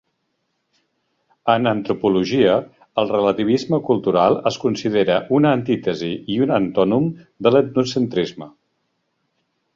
En antropologia, el relativisme cultural es considera una antítesi i un antònom de l"etnocentrisme.